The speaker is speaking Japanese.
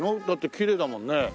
だってきれいだもんね。